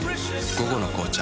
「午後の紅茶」